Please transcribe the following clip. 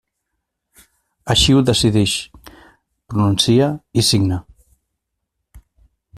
Així ho decidisc, pronuncie i signe.